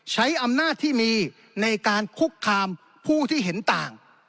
ใช้อำนาจที่มีในการคุกคามผู้ที่เห็นต่าง